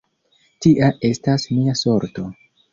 Tia estas mia sorto!